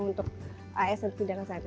untuk as dan pindah ke sarawak